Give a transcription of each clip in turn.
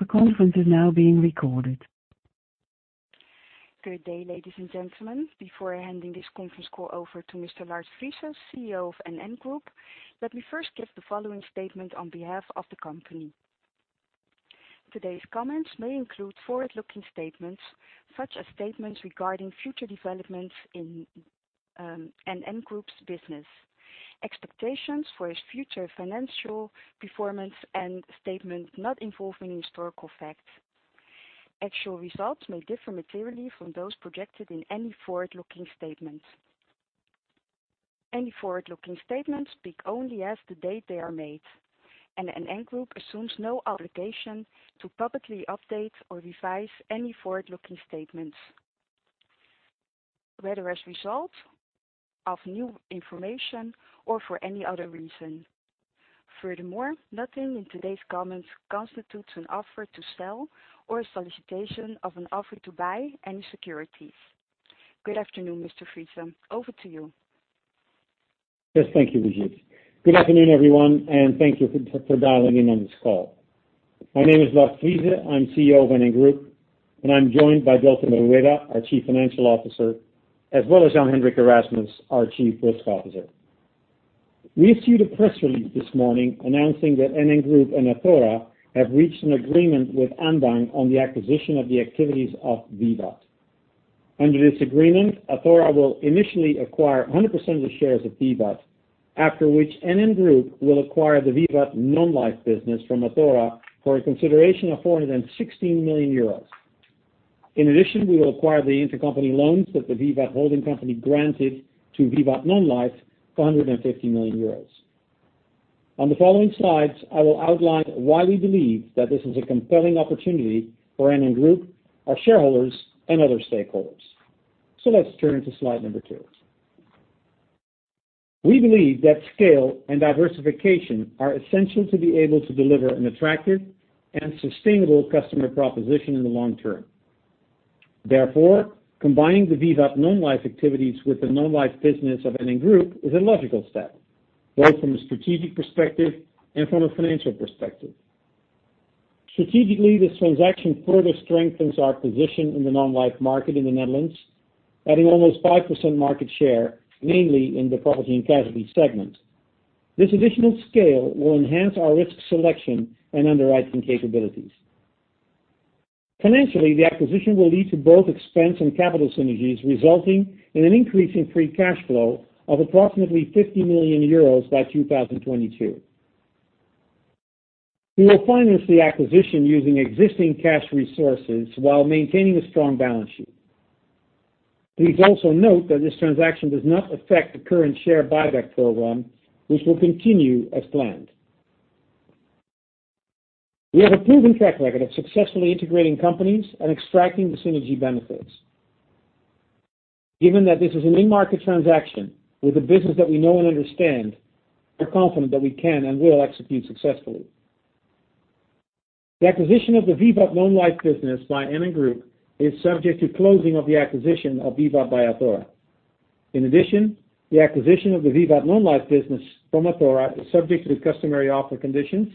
The conference is now being recorded. Good day, ladies and gentlemen. Before handing this conference call over to Mr. Lard Friese, CEO of NN Group, let me first give the following statement on behalf of the company. Today's comments may include forward-looking statements, such as statements regarding future developments in NN Group's business, expectations for its future financial performance, and statement not involving historical facts. Actual results may differ materially from those projected in any forward-looking statements. Any forward-looking statements speak only as of the date they are made, NN Group assumes no obligation to publicly update or revise any forward-looking statements, whether as a result of new information or for any other reason. Furthermore, nothing in today's comments constitutes an offer to sell or a solicitation of an offer to buy any securities. Good afternoon, Mr. Friese. Over to you. Yes. Thank you, Brigitte. Good afternoon, everyone, and thank you for dialing in on this call. My name is Lard Friese. I'm CEO of NN Group, and I'm joined by Delfin Rueda, our chief financial officer, as well as Jan-Hendrik Erasmus, our chief risk officer. We issued a press release this morning announcing that NN Group and Athora have reached an agreement with Anbang on the acquisition of the activities of Vivat. Under this agreement, Athora will initially acquire 100% of the shares of Vivat, after which NN Group will acquire the VIVAT Non-life business from Athora for a consideration of €416 million. In addition, we will acquire the intercompany loans that the Vivat holding company granted to VIVAT Non-life for €150 million. On the following slides, I will outline why we believe that this is a compelling opportunity for NN Group, our shareholders, and other stakeholders. Let's turn to slide number two. We believe that scale and diversification are essential to be able to deliver an attractive and sustainable customer proposition in the long term. Therefore, combining the VIVAT Non-life activities with the non-life business of NN Group is a logical step, both from a strategic perspective and from a financial perspective. Strategically, this transaction further strengthens our position in the non-life market in the Netherlands, adding almost 5% market share, mainly in the Property and Casualty segment. This additional scale will enhance our risk selection and underwriting capabilities. Financially, the acquisition will lead to both expense and capital synergies, resulting in an increase in free cash flow of approximately €50 million by 2022. We will finance the acquisition using existing cash resources while maintaining a strong balance sheet. Please also note that this transaction does not affect the current share buyback program, which will continue as planned. We have a proven track record of successfully integrating companies and extracting the synergy benefits. Given that this is an in-market transaction with a business that we know and understand, we're confident that we can and will execute successfully. The acquisition of the VIVAT Non-life business by NN Group is subject to closing of the acquisition of Vivat by Athora. In addition, the acquisition of the VIVAT Non-life business from Athora is subject to the customary offer conditions,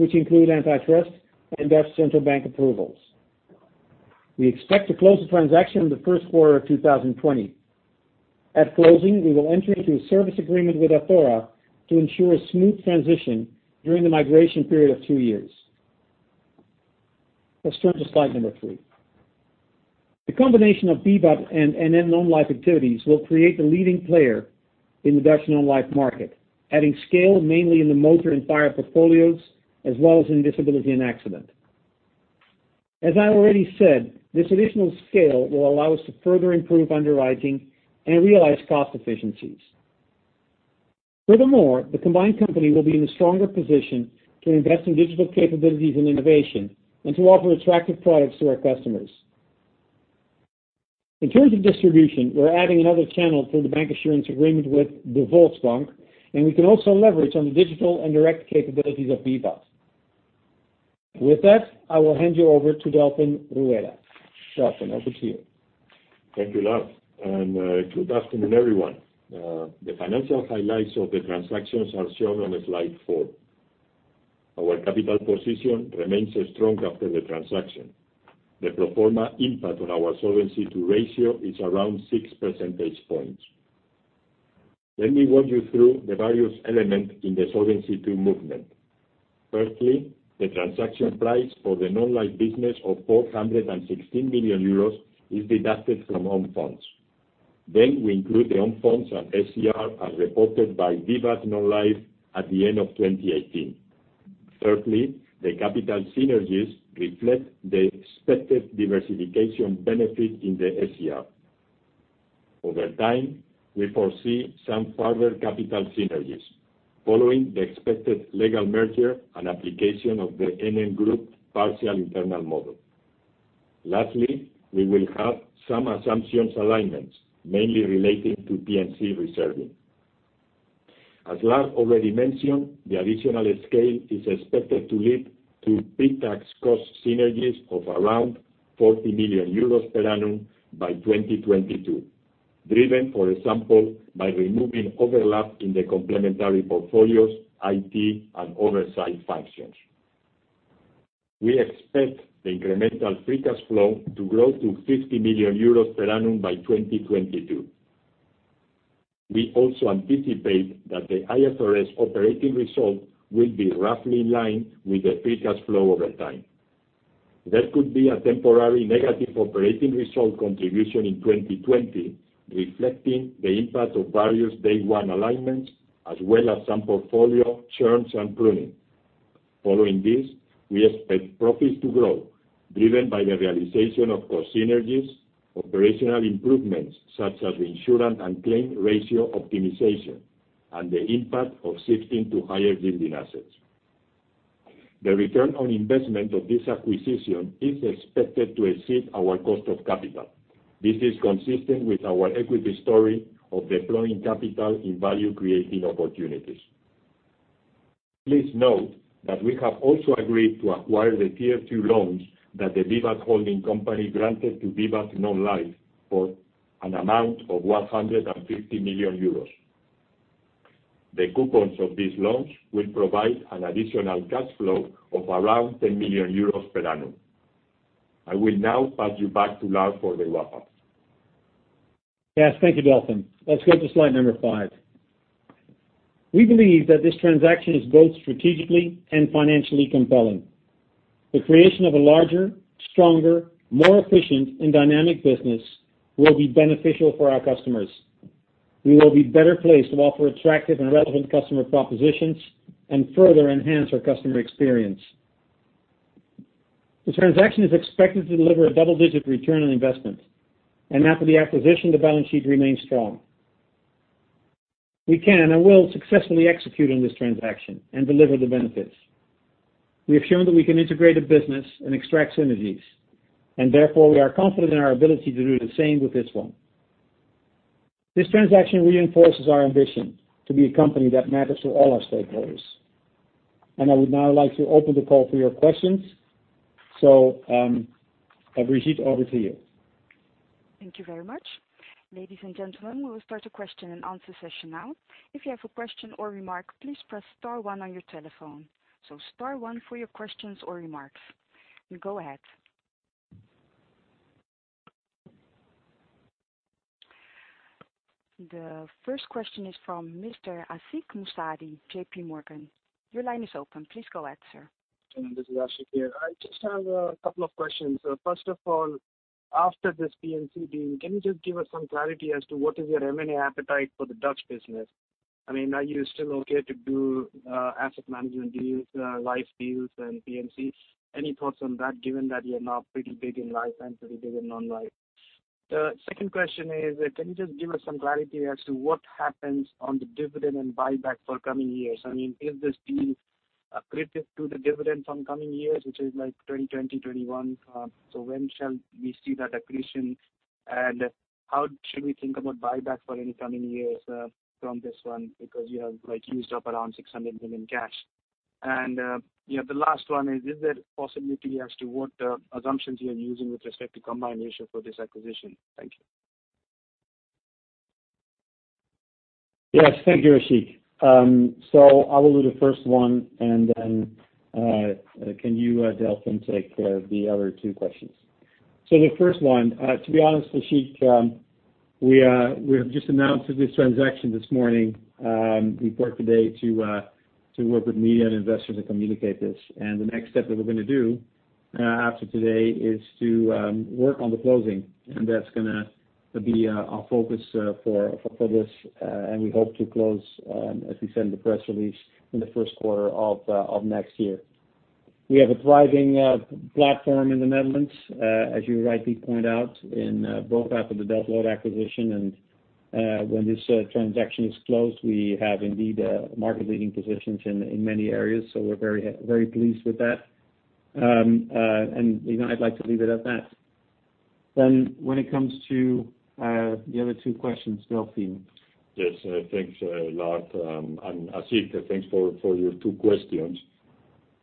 which include antitrust and De Nederlandsche Bank approvals. We expect to close the transaction in the first quarter of 2020. At closing, we will enter into a service agreement with Athora to ensure a smooth transition during the migration period of two years. Let's turn to slide number three. The combination of Vivat and NN non-life activities will create the leading player in the Dutch non-life market, adding scale mainly in the motor and fire portfolios, as well as in disability and accident. As I already said, this additional scale will allow us to further improve underwriting and realize cost efficiencies. Furthermore, the combined company will be in a stronger position to invest in digital capabilities and innovation and to offer attractive products to our customers. In terms of distribution, we are adding another channel through the bancassurance agreement with de Volksbank, and we can also leverage on the digital and direct capabilities of Vivat. With that, I will hand you over to Delfin Rueda. Delfin, over to you. Thank you, Lard, and good afternoon, everyone. The financial highlights of the transactions are shown on slide four. Our capital position remains strong after the transaction. The pro forma impact on our Solvency II ratio is around six percentage points. Let me walk you through the various elements in the Solvency II movement. Firstly, the transaction price for the non-life business of 416 million euros is deducted from own funds. We include the own funds and SCR as reported by VIVAT Non-life at the end of 2018. Thirdly, the capital synergies reflect the expected diversification benefit in the SCR. Over time, we foresee some further capital synergies following the expected legal merger and application of the NN Group partial internal model. Lastly, we will have some assumptions alignments, mainly relating to P&C reserving. As Lard already mentioned, the additional scale is expected to lead to pre-tax cost synergies of around 40 million euros per annum by 2022. Driven, for example, by removing overlap in the complementary portfolios, IT, and oversight functions. We expect the incremental free cash flow to grow to 50 million euros per annum by 2022. We also anticipate that the IFRS operating result will be roughly in line with the free cash flow over time. There could be a temporary negative operating result contribution in 2020, reflecting the impact of various day one alignments, as well as some portfolio churns and pruning. Following this, we expect profits to grow, driven by the realization of cost synergies, operational improvements such as combined ratio optimization, and the impact of shifting to higher yielding assets. The return on investment of this acquisition is expected to exceed our cost of capital. This is consistent with our equity story of deploying capital in value-creating opportunities. Please note that we have also agreed to acquire the Tier 2 loans that the Vivat holding company granted to VIVAT Non-life for an amount of 150 million euros. The coupons of these loans will provide an additional cash flow of around 10 million euros per annum. I will now pass you back to Lard for the wrap-up. Yes, thank you, Delfin. Let's go to slide number five. We believe that this transaction is both strategically and financially compelling. The creation of a larger, stronger, more efficient, and dynamic business will be beneficial for our customers. We will be better placed to offer attractive and relevant customer propositions, and further enhance our customer experience. The transaction is expected to deliver a double-digit return on investment. After the acquisition, the balance sheet remains strong. We can and will successfully execute on this transaction and deliver the benefits. We have shown that we can integrate a business and extract synergies, and therefore, we are confident in our ability to do the same with this one. This transaction reinforces our ambition to be a company that matters to all our stakeholders. I would now like to open the call for your questions. Brigitte, over to you. Thank you very much. Ladies and gentlemen, we will start the question and answer session now. If you have a question or remark, please press star one on your telephone. Star one for your questions or remarks. Go ahead. The first question is from Mr. Ashik Musaddi, JPMorgan. Your line is open. Please go ahead, sir. This is Ashik here. I just have a couple of questions. First of all, after this P&C deal, can you just give us some clarity as to what is your M&A appetite for the Dutch business? Are you still okay to do asset management deals, life deals, and P&Cs? Any thoughts on that, given that you're now pretty big in life and pretty big in non-life. The second question is, can you just give us some clarity as to what happens on the dividend and buyback for coming years? Is this deal accretive to the dividend from coming years, which is like 2020, 2021? When shall we see that accretion, and how should we think about buyback for any coming years from this one? Because you have used up around 600 million cash. The last one is there a possibility as to what assumptions you're using with respect to combination for this acquisition? Thank you. Yes. Thank you, Ashik Musaddi. I will do the first one, then can you, Delfin, take the other 2 questions. The first one. To be honest, Ashik Musaddi, we have just announced this transaction this morning. We've worked today to work with media and investors to communicate this. The next step that we're going to do after today is to work on the closing, and that's going to be our focus for this. We hope to close, as we said in the press release, in the first quarter of next year. We have a thriving platform in the Netherlands, as you rightly point out, both after the Delta Lloyd acquisition and when this transaction is closed, we have indeed market leading positions in many areas. We're very pleased with that. I'd like to leave it at that. When it comes to the other 2 questions, Delfin. Yes. Thanks a lot. Ashik Musaddi, thanks for your 2 questions.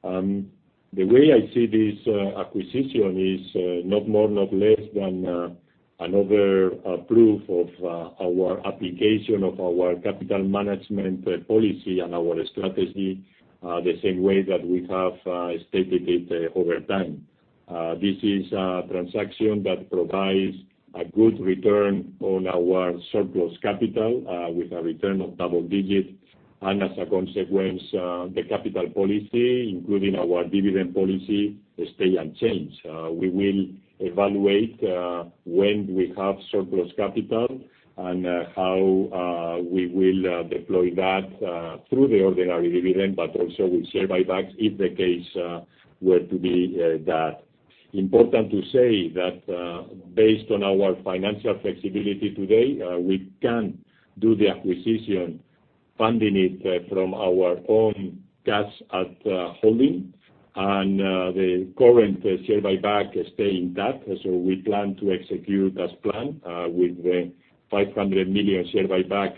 The way I see this acquisition is not more, not less than another proof of our application of our capital management policy and our strategy, the same way that we have stated it over time. This is a transaction that provides a good return on our surplus capital with a return of double digits. As a consequence, the capital policy, including our dividend policy, stay unchanged. We will evaluate when we have surplus capital and how we will deploy that through the ordinary dividend, but also with share buybacks if the case were to be that. Important to say that based on our financial flexibility today, we can do the acquisition, funding it from our own cash at holding, and the current share buyback stay in that. We plan to execute as planned with the 500 million share buyback.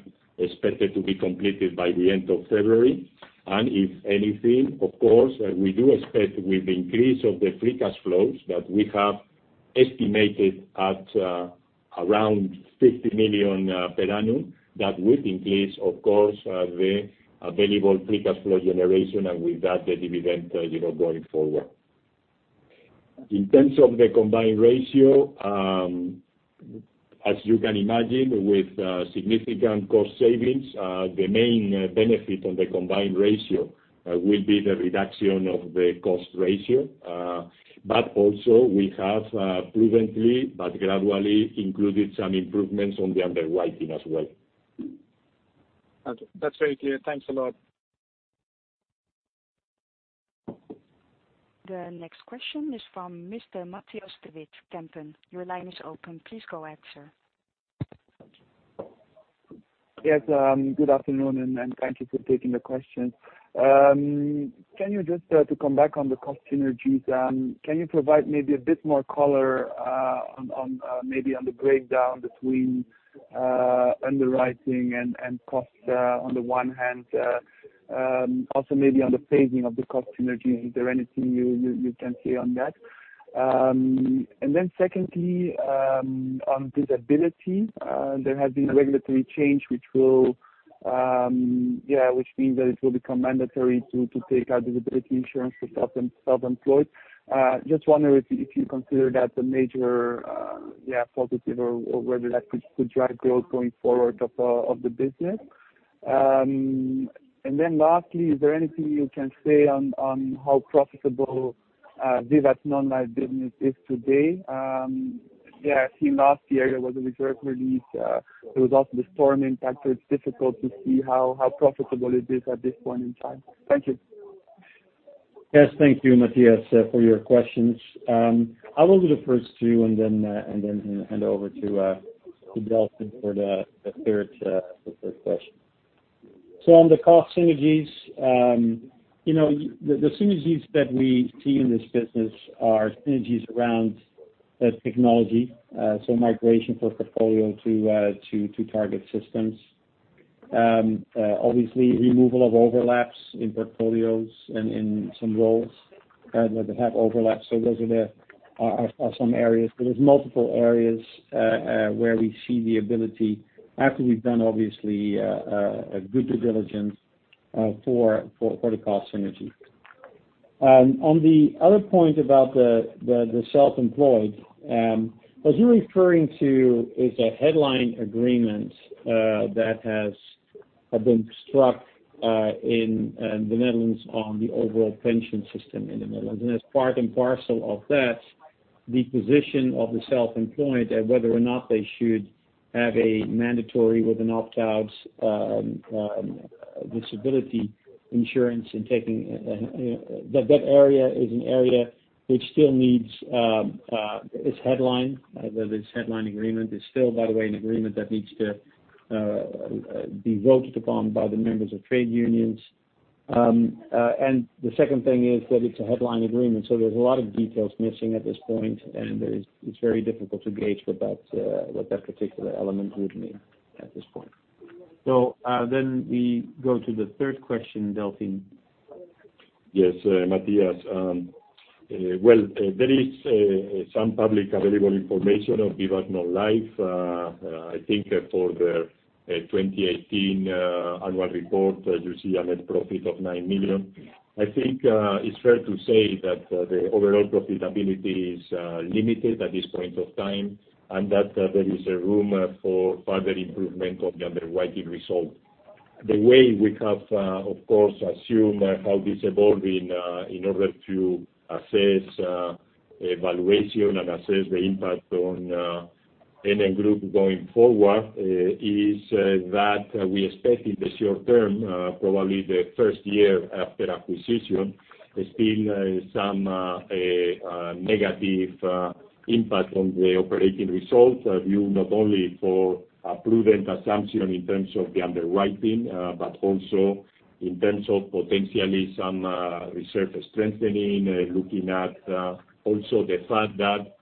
If anything, of course, we do expect with the increase of the free cash flows that we have estimated at around 50 million per annum. That will increase, of course, the available free cash flow generation, and with that, the dividend going forward. In terms of the combined ratio, as you can imagine, with significant cost savings, the main benefit on the combined ratio will be the reduction of the cost ratio. Also, we have proven but gradually included some improvements on the underwriting as well. That's very clear. Thanks a lot. The next question is from Mr. Matthias de Wit, Kempen. Your line is open. Please go ahead, sir. Good afternoon, and thank you for taking the question. To come back on the cost synergies, can you provide maybe a bit more color on the breakdown between underwriting and cost on the one hand. Also, maybe on the phasing of the cost synergies. Is there anything you can say on that? Secondly, on disability. There has been regulatory change which means that it will become mandatory to take out disability insurance for self-employed. Just wondering if you consider that a major positive or whether that could drive growth going forward of the business. Lastly, is there anything you can say on how profitable VIVAT Non-life business is today? I think last year there was a reserve release. There was also the storm impact, so it's difficult to see how profitable it is at this point in time. Thank you. Thank you, Matthias, for your questions. I will do the first two and hand over to Delfin for the third question. On the cost synergies. The synergies that we see in this business are synergies around technology. Migration for portfolio to target systems. Obviously, removal of overlaps in portfolios and in some roles that have overlaps. Those are some areas. There's multiple areas where we see the ability, after we've done, obviously, a good due diligence for the cost synergy. On the other point about the self-employed. What you're referring to is a headline agreement that has been struck in the Netherlands on the overall pension system in the Netherlands. As part and parcel of that, the position of the self-employed and whether or not they should have a mandatory with an opt-out disability insurance. That area is an area which still needs its headline. This headline agreement is still, by the way, an agreement that needs to be voted upon by the members of trade unions. The second thing is that it's a headline agreement, there's a lot of details missing at this point, and it's very difficult to gauge what that particular element would mean at this point. We go to the third question, Delfin. Yes, Matthias. Well, there is some publicly available information of VIVAT Non-life. I think for their 2018 annual report, you see a net profit of 9 million. I think it's fair to say that the overall profitability is limited at this point of time, and that there is room for further improvement of the underwriting result. The way we have, of course, assumed how this evolved in order to assess valuation and assess the impact on NN Group going forward is that we expected the short-term, probably the first year after acquisition, there's been some negative impact on the operating result view, not only for a proven assumption in terms of the underwriting, but also in terms of potentially some reserve strengthening. Looking at also the fact that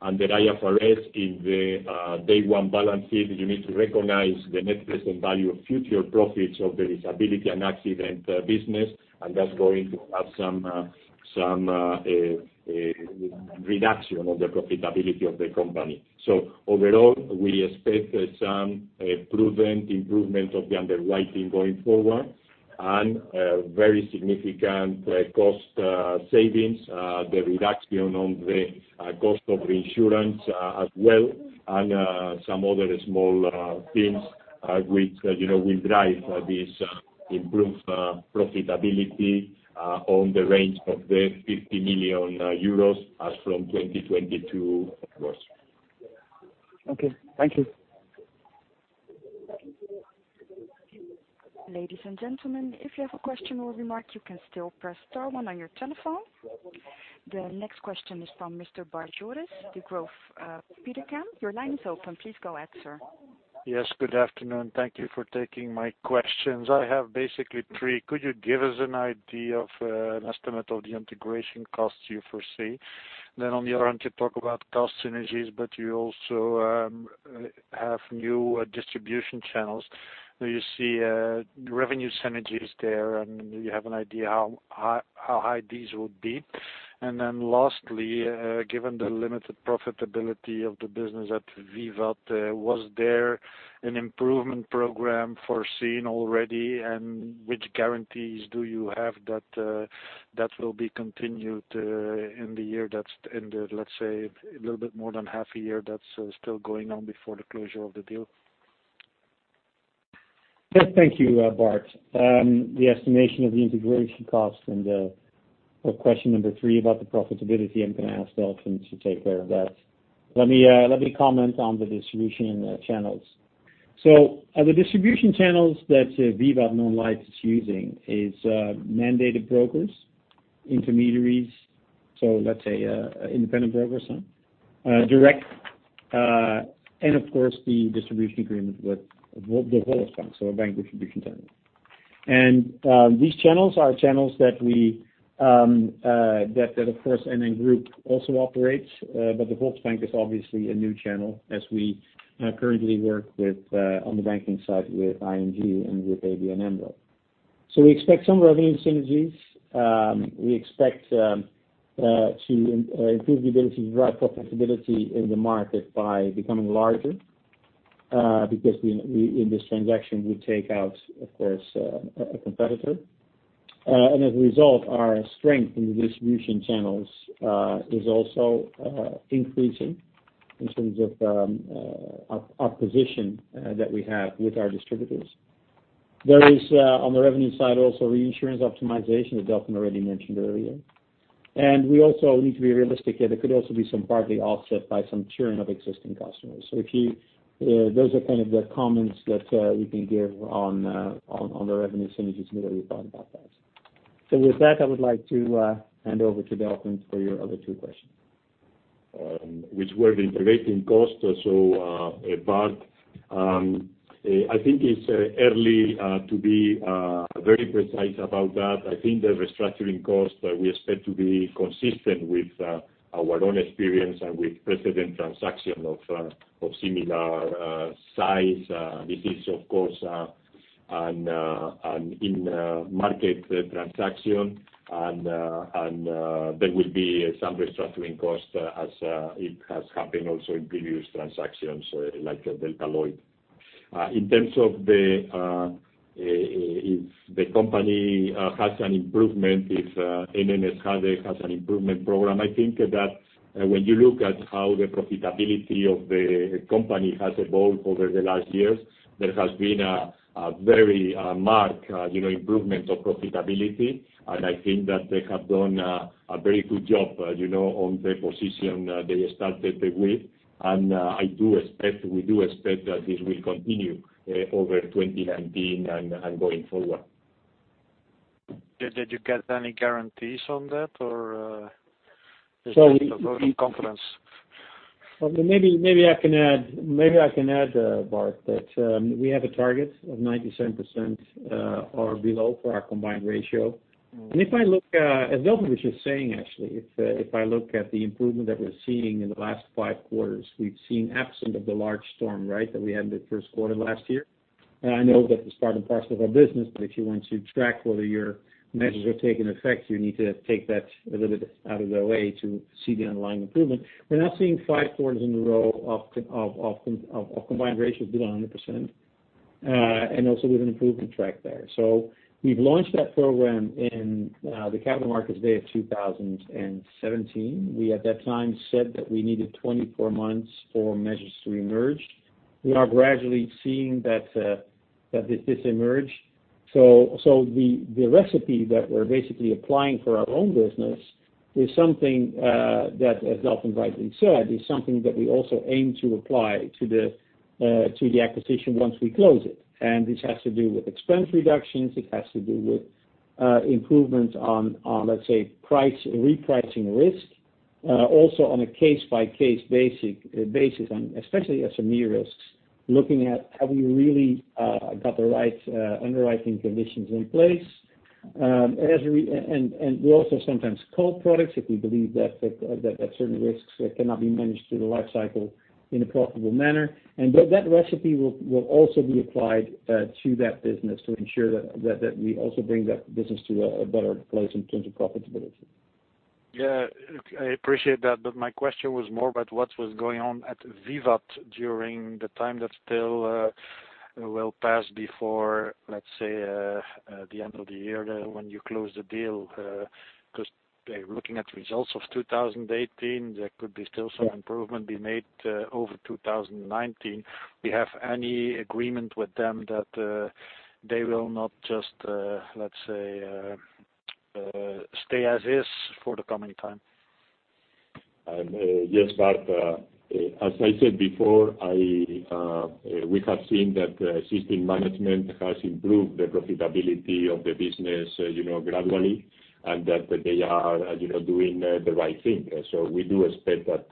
under IFRS, in the day one balance sheet, you need to recognize the net present value of future profits of the disability and accident business, and that's going to have some reduction of the profitability of the company. Overall, we expect some proven improvement of the underwriting going forward and very significant cost savings, the reduction on the cost of insurance as well, and some other small things which will drive this improved profitability on the range of 50 million euros as from 2022 onwards. Okay. Thank you. Ladies and gentlemen, if you have a question or remark, you can still press star one on your telephone. The next question is from Mr. Bart Joris, Degroof Petercam. Your line is open. Please go ahead, sir. Yes, good afternoon. Thank you for taking my questions. I have basically three. Could you give us an idea of an estimate of the integration costs you foresee? On the other hand, you talk about cost synergies, but you also have new distribution channels. Do you see revenue synergies there, and do you have an idea how high these would be? Lastly, given the limited profitability of the business at Vivat, was there an improvement program foreseen already? Which guarantees do you have that that will be continued in the year that's in the, let's say, a little bit more than half a year, that's still going on before the closure of the deal? Thank you, Bart. The estimation of the integration cost and question number 3 about the profitability, I'm going to ask Delfin to take care of that. Let me comment on the distribution channels. The distribution channels that VIVAT Non-life is using is mandated brokers, intermediaries, so let's say independent brokers, direct, and of course, the distribution agreement with de Volksbank, so a bank distribution channel. These channels are channels that of course, NN Group also operates. The Volksbank is obviously a new channel as we currently work with, on the banking side, with ING and with ABN AMRO. We expect some revenue synergies. We expect to improve the ability to drive profitability in the market by becoming larger, because in this transaction, we take out, of course, a competitor. As a result, our strength in the distribution channels is also increasing in terms of our position that we have with our distributors. There is, on the revenue side also, reinsurance optimization that Delfin already mentioned earlier. We also need to be realistic here. There could also be some partly offset by some churn of existing customers. Those are kind of the comments that we can give on the revenue synergies and the way we thought about that. With that, I would like to hand over to Delfin for your other two questions. Which were the integrating costs. Bart, I think it's early to be very precise about that. I think the restructuring cost we expect to be consistent with our own experience and with precedent transaction of similar size. This is, of course, an in-market transaction, and there will be some restructuring costs as it has happened also in previous transactions like Delta Lloyd. In terms of if the company has an improvement, if NN has an improvement program, I think that when you look at how the profitability of the company has evolved over the last years, there has been a very marked improvement of profitability. I think that they have done a very good job on the position they started with. We do expect that this will continue over 2019 and going forward. Did you get any guarantees on that, or just a vote of confidence? Maybe I can add, Bart, that we have a target of 97% or below for our combined ratio. As Delfin was just saying, actually, if I look at the improvement that we're seeing in the last 5 quarters, we've seen absent of the large storm, right, that we had in the first quarter last year. I know that it's part and parcel of our business, but if you want to track whether your measures are taking effect, you need to take that a little bit out of the way to see the underlying improvement. We're now seeing 5 quarters in a row of combined ratios below 100%. Also with an improvement track there. We've launched that program in the capital markets day of 2017. We, at that time, said that we needed 24 months for measures to emerge. We are gradually seeing that this emerged. The recipe that we're basically applying for our own business is something that, as Delfin rightly said, is something that we also aim to apply to the acquisition once we close it. This has to do with expense reductions. It has to do with improvements on, let's say, repricing risk. Also on a case-by-case basis, and especially SME risks, looking at have we really got the right underwriting conditions in place. We also sometimes call products if we believe that certain risks cannot be managed through the life cycle in a profitable manner. That recipe will also be applied to that business to ensure that we also bring that business to a better place in terms of profitability. Look, I appreciate that. My question was more about what was going on at Vivat during the time that still will pass before, let's say, the end of the year when you close the deal. Looking at results of 2018, there could be still some improvement be made over 2019. Do you have any agreement with them that they will not just, let's say, stay as is for the coming time? Yes, Bart. As I said before, we have seen that existing management has improved the profitability of the business gradually and that they are doing the right thing. We do expect that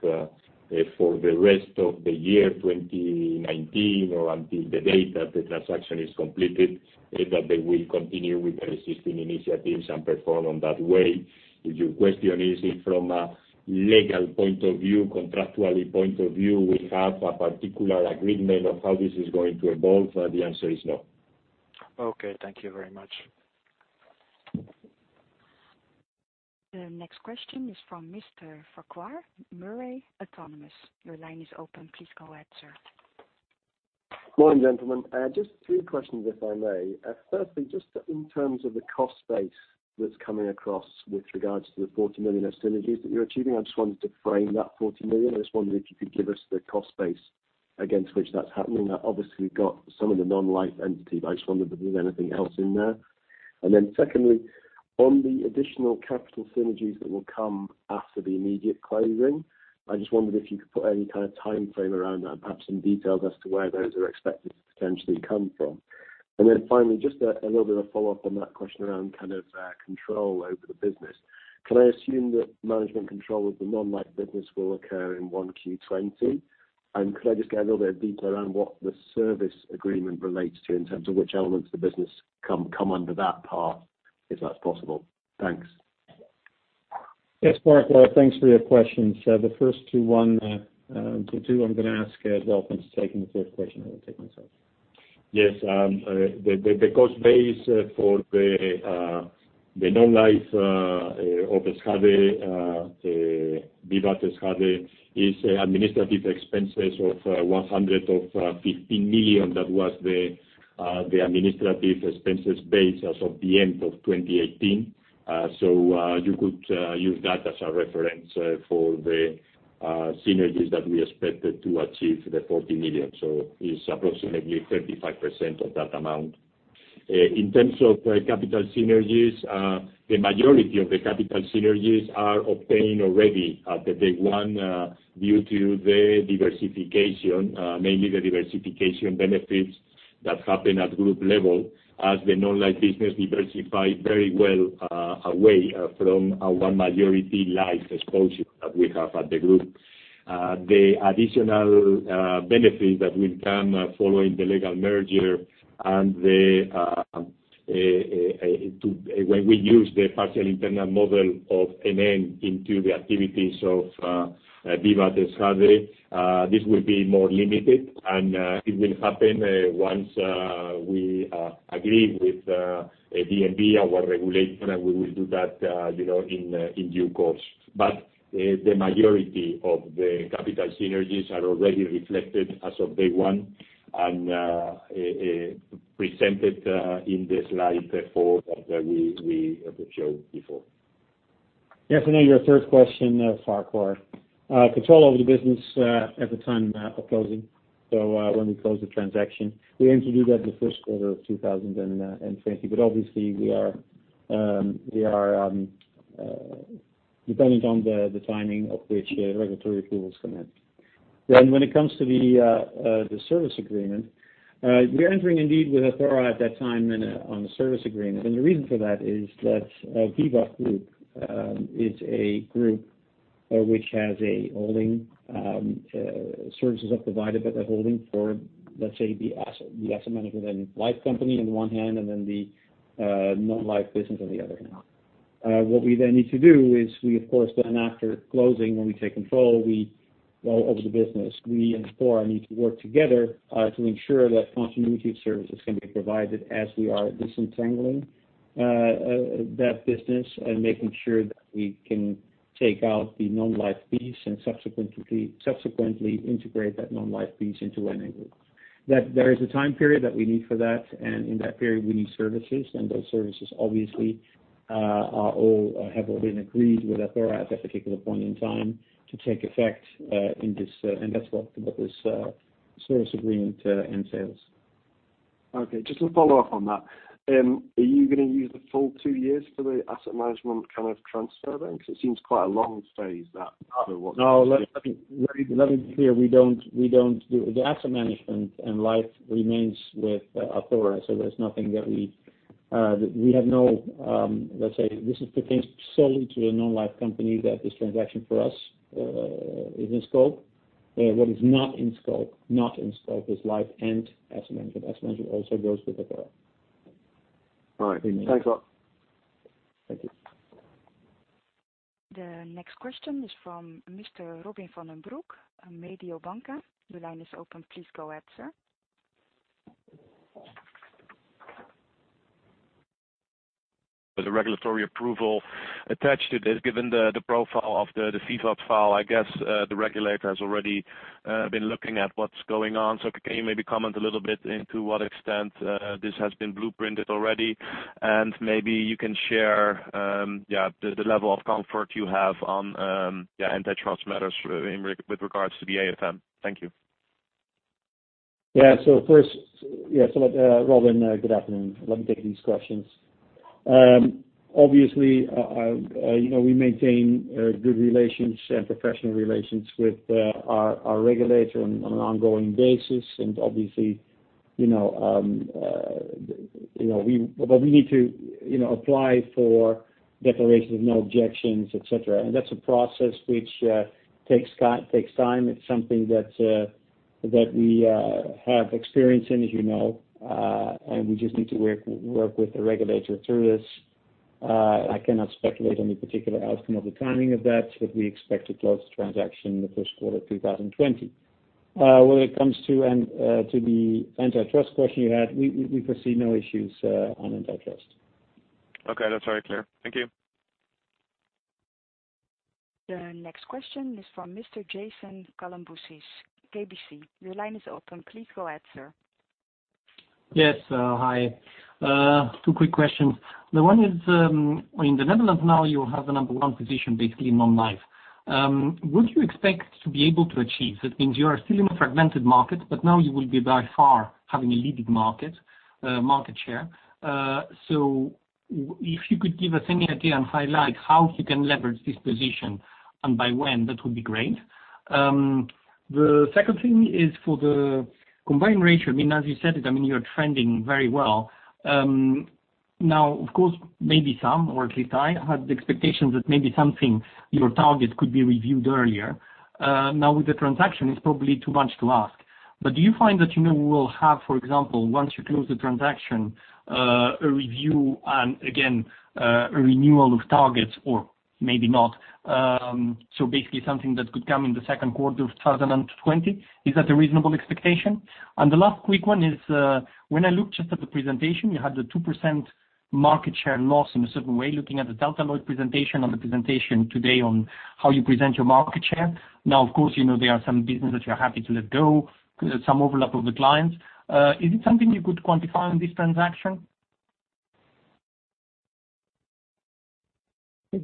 for the rest of the year 2019 or until the date that the transaction is completed, that they will continue with the existing initiatives and perform in that way. If your question is if from a legal point of view, contractually point of view, we have a particular agreement of how this is going to evolve, the answer is no. Okay. Thank you very much. The next question is from Mr. Farquhar Murray, Autonomous. Your line is open. Please go ahead, sir. Morning, gentlemen. Just three questions, if I may. Firstly, just in terms of the cost base that's coming across with regards to the 40 million of synergies that you're achieving. I just wanted to frame that 40 million. I just wondered if you could give us the cost base against which that's happening. Obviously, you got some of the non-life entity, but I just wondered if there's anything else in there. Secondly, on the additional capital synergies that will come after the immediate closing. I just wondered if you could put any kind of timeframe around that and perhaps some details as to where those are expected to potentially come from. Finally, just a little bit of follow-up on that question around kind of control over the business. Can I assume that management control of the non-life business will occur in one Q20? Could I just get a little bit of detail around what the service agreement relates to in terms of which elements of the business come under that part, if that's possible? Thanks. Yes, Farquhar, thanks for your questions. The first two, I'm going to ask Delfin to take the first question, then I will take myself. Yes. The cost base for the non-life of Vivat, VIVAT Non-life, is administrative expenses of 115 million. That was the administrative expenses base as of the end of 2018. You could use that as a reference for the synergies that we expected to achieve, the 40 million. It's approximately 35% of that amount. In terms of capital synergies, the majority of the capital synergies are obtained already at day one, due to the diversification. Mainly the diversification benefits that happen at group level, as the non-life business diversify very well away from our majority life exposure that we have at the group. The additional benefit that will come following the legal merger and when we use the partial internal model of NN into the activities of VIVAT Non-life, this will be more limited, and it will happen once we agree with DNB, our regulator. We will do that in due course. The majority of the capital synergies are already reflected as of day one and presented in the slide four that we showed before. Yes, on your third question, Farquhar. Control over the business at the time of closing, so when we close the transaction. We aim to do that the first quarter of 2020, obviously, we are dependent on the timing of which regulatory approvals come in. When it comes to the service agreement, we are entering indeed with Athora at that time then on the service agreement. The reason for that is that Vivat Group is a group which has a holding. Services are provided by the holding for, let's say, the asset management and life company on the one hand, and the non-life business on the other hand. What we then need to do is we, of course, then after closing, when we take control, over the business, we and Athora need to work together to ensure that continuity of services can be provided as we are disentangling that business and making sure that we can take out the non-life piece, subsequently integrate that non-life piece into NN Group. There is a time period that we need for that, and in that period, we need services. Those services obviously have already been agreed with Athora at that particular point in time to take effect in this. That's what this service agreement entails. Okay, just to follow up on that. Are you going to use the full two years for the asset management kind of transfer then? It seems quite a long phase, that part of what you're doing. No, let me be clear. The asset management and life remains with Athora. There's nothing that we this pertains solely to the non-life company that this transaction for us is in scope. What is not in scope is life and asset management. Asset management also goes with Athora. All right. Thanks a lot. Thank you. The next question is from Mr. Robin van den Broek, Mediobanca. Your line is open. Please go ahead, sir. With the regulatory approval attached to this, given the profile of the Vivat file, I guess, the regulator has already been looking at what's going on. Can you maybe comment a little bit into what extent this has been blueprinted already? Maybe you can share, yeah, the level of comfort you have on antitrust matters with regards to the ACM. Thank you. Yeah. First, Robin, good afternoon. Let me take these questions. Obviously, we maintain good relations and professional relations with our regulator on an ongoing basis. Obviously, we need to apply for declarations of no objections, et cetera. That's a process which takes time. It's something that we have experience in, as you know. We just need to work with the regulator through this. I cannot speculate on the particular outcome of the timing of that, but we expect to close the transaction in the first quarter 2020. When it comes to the antitrust question you had, we foresee no issues on antitrust. Okay. That's very clear. Thank you. The next question is from Mr. Jason Kalamboussis, KBC. Your line is open. Please go ahead, sir. Yes. Hi. Two quick questions. The one is, in the Netherlands now you have the number one position basically in non-life. What do you expect to be able to achieve? That means you are still in a fragmented market, but now you will be by far having a leading market share. If you could give a synergy and highlight how you can leverage this position and by when, that would be great. The second thing is for the combined ratio. As you said it, you're trending very well. Of course, maybe some, or at least I, had the expectation that maybe something, your target could be reviewed earlier. With the transaction, it's probably too much to ask. Do you find that you will have, for example, once you close the transaction, a review and again, a renewal of targets, or maybe not? Basically something that could come in the second quarter of 2020. Is that a reasonable expectation? The last quick one is, when I look just at the presentation, you had the 2% market share loss in a certain way, looking at the Delta Lloyd presentation on the presentation today on how you present your market share. Of course, there are some business that you're happy to let go, some overlap of the clients. Is it something you could quantify on this transaction?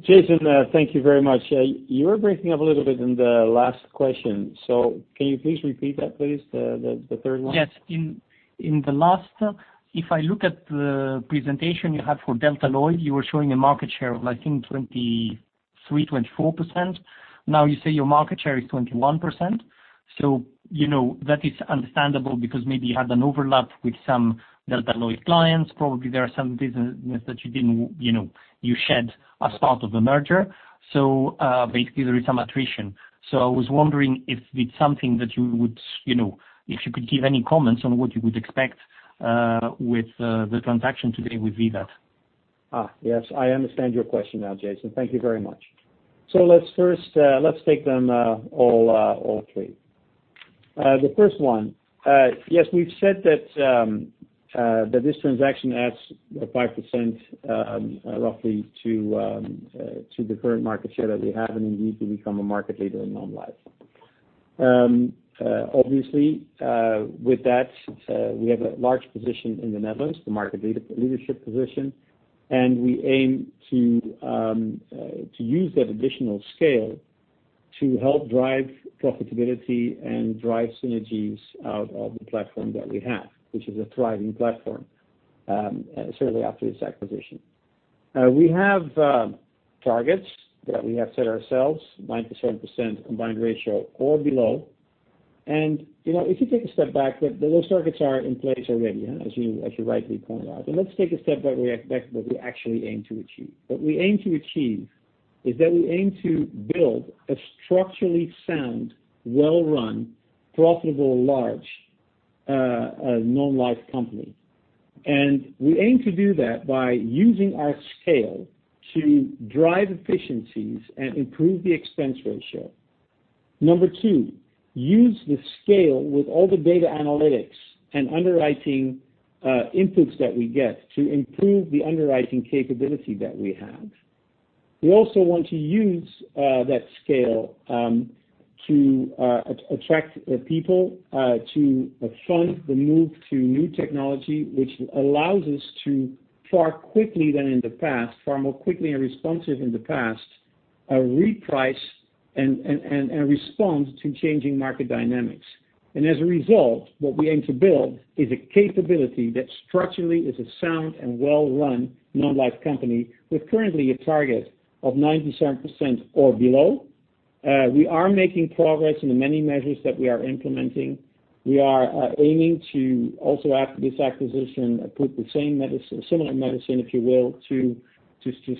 Jason, thank you very much. You were breaking up a little bit in the last question. Can you please repeat that, please? The third one. Yes. In the last, if I look at the presentation you had for Delta Lloyd, you were showing a market share of I think 23%-24%. You say your market share is 21%. That is understandable because maybe you had an overlap with some Delta Lloyd clients. Probably there are some business that you shed as part of the merger. Basically there is some attrition. I was wondering if it's something that you could give any comments on what you would expect with the transaction today with Vivat. Yes, I understand your question now, Jason. Thank you very much. Let's take them all three. The first one. Yes, we've said that this transaction adds 5% roughly to the current market share that we have, and indeed, we become a market leader in non-life. Obviously, with that, we have a large position in the Netherlands, the market leadership position, and we aim to use that additional scale to help drive profitability and drive synergies out of the platform that we have, which is a thriving platform, certainly after this acquisition. We have targets that we have set ourselves, 97% combined ratio or below. If you take a step back, those targets are in place already as you rightly point out. Let's take a step back, what we actually aim to achieve. What we aim to achieve is that we aim to build a structurally sound, well-run, profitable, large non-life company. We aim to do that by using our scale to drive efficiencies and improve the expense ratio. Number 2, use the scale with all the data analytics and underwriting inputs that we get to improve the underwriting capability that we have. We also want to use that scale to attract people to fund the move to new technology, which allows us to far more quickly and responsive in the past, reprice and respond to changing market dynamics. As a result, what we aim to build is a capability that structurally is a sound and well-run non-life company with currently a target of 97% or below. We are making progress in the many measures that we are implementing. We are aiming to also, after this acquisition, put similar medicine, if you will, to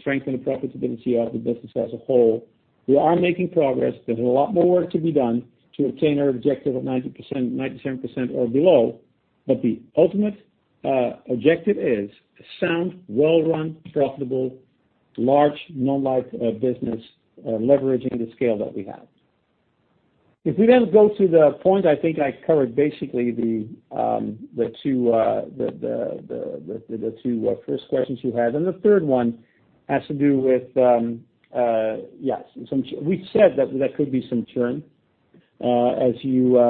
strengthen the profitability of the business as a whole. We are making progress. There's a lot more work to be done to obtain our objective of 90%, 97% or below. The ultimate objective is a sound, well-run, profitable, large non-life business leveraging the scale that we have. If we go to the point, I think I covered basically the 2 first questions you had. The third one has to do with Yes. We've said that there could be some churn as you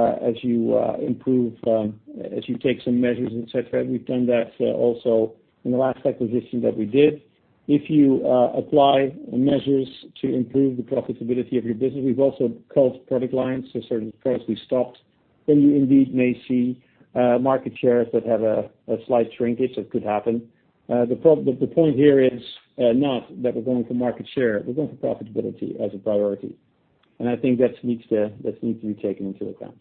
take some measures, et cetera. We've done that also in the last acquisition that we did. If you apply measures to improve the profitability of your business, we've also culled product lines. Certain products we stopped, then you indeed may see market shares that have a slight shrinkage. That could happen. The point here is not that we're going for market share. We're going for profitability as a priority. I think that needs to be taken into account.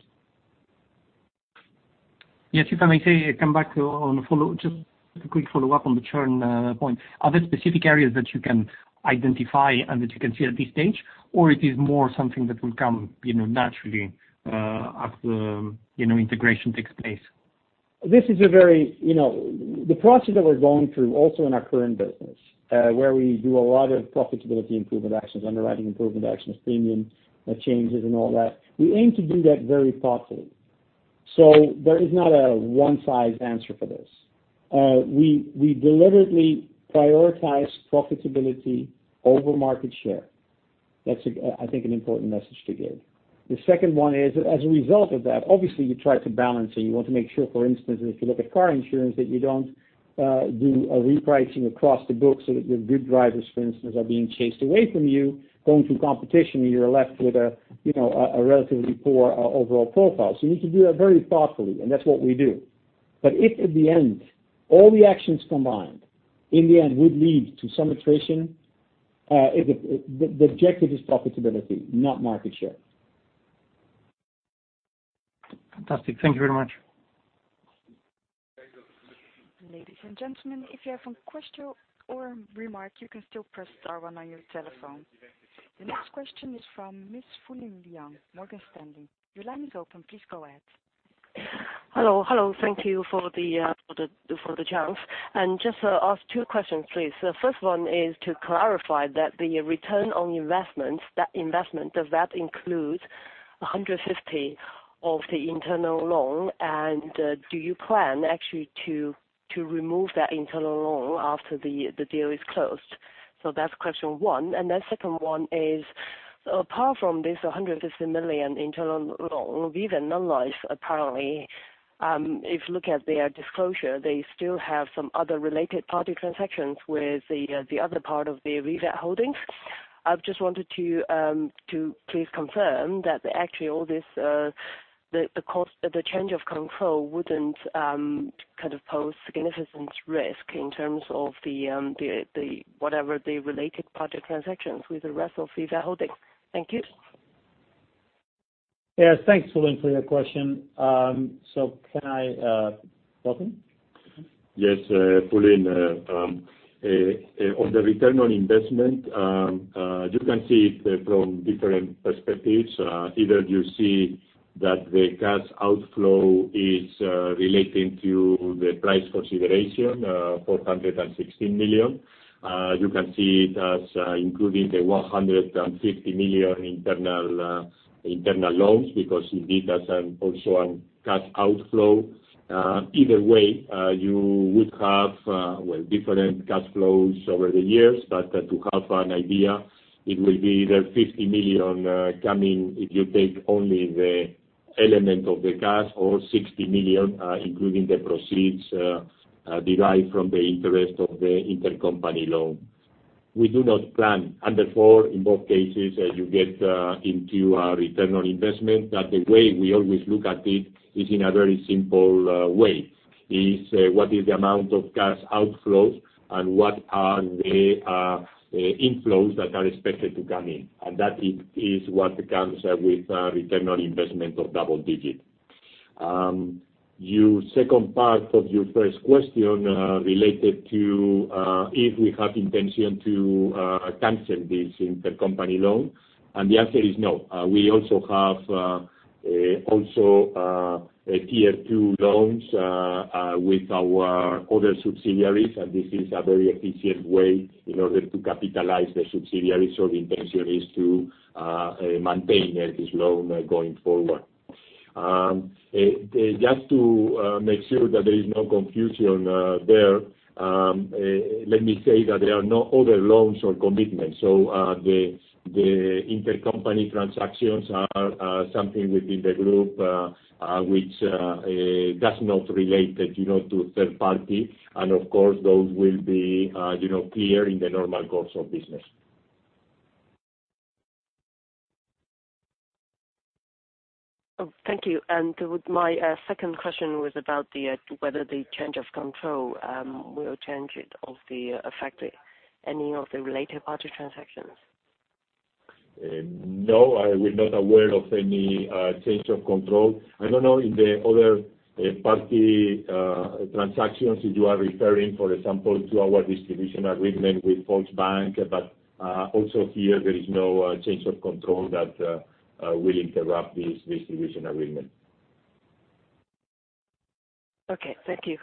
Yes. If I may come back on a follow, just a quick follow-up on the churn point. Are there specific areas that you can identify and that you can see at this stage? Or it is more something that will come naturally as the integration takes place? The process that we're going through also in our current business, where we do a lot of profitability improvement actions, underwriting improvement actions, premium changes and all that, we aim to do that very thoughtfully. There is not a one-size answer for this. We deliberately prioritize profitability over market share. That's, I think, an important message to give. The second one is, as a result of that, obviously you try to balance it. You want to make sure, for instance, if you look at car insurance, that you don't do a repricing across the book so that your good drivers, for instance, are being chased away from you, going through competition, and you're left with a relatively poor overall profile. You need to do that very thoughtfully, and that's what we do. If at the end, all the actions combined in the end would lead to some attrition, the objective is profitability, not market share. Fantastic. Thank you very much. Ladies and gentlemen, if you have a question or remark, you can still press star one on your telephone. The next question is from Ms. Fulin Liang, Morgan Stanley. Your line is open. Please go ahead. Hello. Just to ask two questions, please. The first one is to clarify that the return on investments, that investment, does that include 150 of the internal loan? Do you plan actually to remove that internal loan after the deal is closed? That's question one. Second one is, apart from this 150 million internal loan, VIVAT Non-life, apparently, if you look at their disclosure, they still have some other related party transactions with the other part of the Vivat holdings. I just wanted to please confirm that actually all this, the change of control wouldn't pose significant risk in terms of whatever the related party transactions with the rest of Vivat holdings. Thank you. Yes. Thanks, Fulin, for your question. Can I, Delfin? Yes, Fulin. On the return on investment, you can see it from different perspectives. Either you see that the cash outflow is relating to the price consideration, 416 million. You can see it as including the 150 million internal loans because it gives us also a cash outflow. Either way, you would have, well, different cash flows over the years, but to have an idea, it will be either 50 million coming, if you take only the element of the cash or 60 million, including the proceeds derived from the interest of the intercompany loan. We do not plan, and therefore, in both cases, as you get into our return on investment, the way we always look at it is in a very simple way. What is the amount of cash outflows and what are the inflows that are expected to come in? That is what comes with return on investment of double-digit. Your second part of your first question related to if we have intention to cancel this intercompany loan. The answer is no. We also have Tier 2 loans with our other subsidiaries, and this is a very efficient way in order to capitalize the subsidiaries. The intention is to maintain this loan going forward. Just to make sure that there is no confusion there, let me say that there are no other loans or commitments. The intercompany transactions are something within the group which does not relate to third party, and of course, those will be clear in the normal course of business. Thank you. My second question was about whether the change of control will change it or affect any of the related party transactions. No, we're not aware of any change of control. I don't know if the other party transactions, if you are referring, for example, to our distribution agreement with Volksbank. Also here, there is no change of control that will interrupt this distribution agreement. Okay, thank you.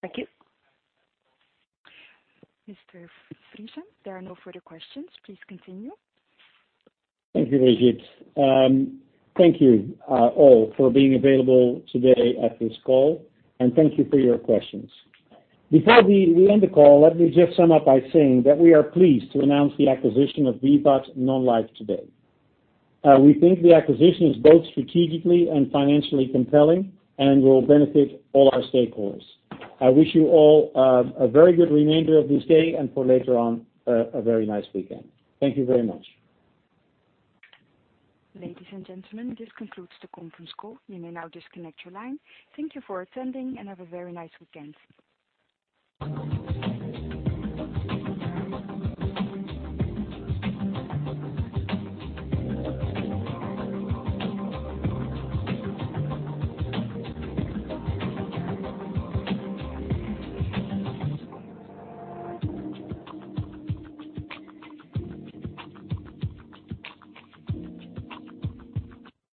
Thank you. Mr. Friese, there are no further questions. Please continue. Thank you, Brigitte. Thank you all for being available today at this call. Thank you for your questions. Before we end the call, let me just sum up by saying that we are pleased to announce the acquisition of VIVAT Non-life today. We think the acquisition is both strategically and financially compelling and will benefit all our stakeholders. I wish you all a very good remainder of this day, and for later on, a very nice weekend. Thank you very much. Ladies and gentlemen, this concludes the conference call. You may now disconnect your line. Thank you for attending. Have a very nice weekend.